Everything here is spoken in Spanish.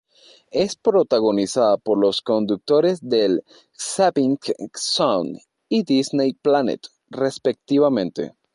Es protagonizada por los conductores del "Zapping Zone" y "Disney Planet" respectivamente.